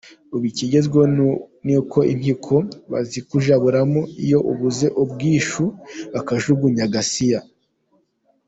Ubu ikigezweho ni impyiko bazikujaburamo iyo ubuze ubwishyu bakajugunya gasiya.